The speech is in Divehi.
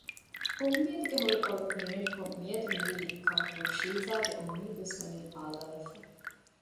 އުންމީދުގެ ހުޅުކޮޅު ނިވެނިކޮށް މިއަދު މިވީ ކަމަކުން ޝީޒާގެ އުންމީދުވެސް ވަނީ އާލާވެފަ